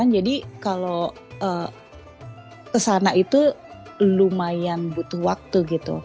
jadi kalau ke sana itu lumayan butuh waktu